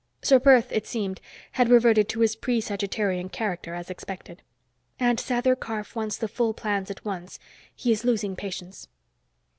Ser Perth, it seemed, had reverted to his pre Sagittarian character as expected. "And Sather Karf wants the full plans at once. He is losing patience."